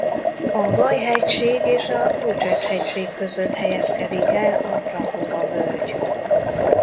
A Baj-hegység és a Bucsecs-hegység között helyezkedik el a Prahova-völgy.